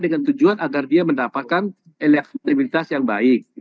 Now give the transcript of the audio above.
dengan tujuan agar dia mendapatkan elektabilitas yang baik